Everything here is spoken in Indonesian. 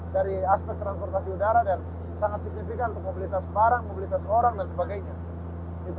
dari aspek transportasi udara dan sangat signifikan untuk mobilitas barang mobilitas orang dan sebagainya